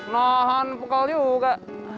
nahan pukul juga